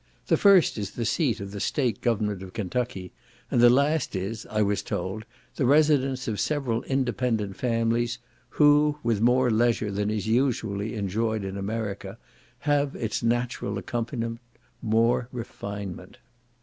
The first is the seat of the state government of Kentucky, and the last is, I was told, the residence of several independent families, who, with more leisure than is usually enjoyed in America, have its natural accompaniment, more refinement.